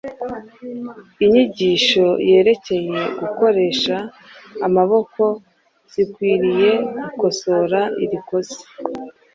Inyigisho yerekeye gukoresha amaboko zikwiriye gukosora iri kosa.